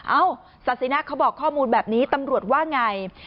เอ้าศาสินะเขาบอกข้อมูลแบบนี้ตำรวจว่าไง